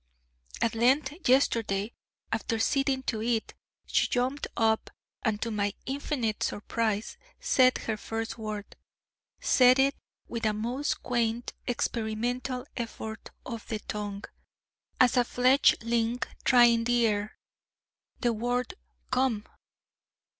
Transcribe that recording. At length yesterday, after sitting to eat, she jumped up, and to my infinite surprise, said her first word: said it with a most quaint, experimental effort of the tongue, as a fledgling trying the air: the word 'Come.'